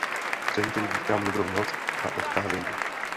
Přejí tedy dívkám dobrou noc a odcházejí.